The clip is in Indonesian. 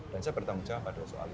dan saya bertanggung jawab pada soal itu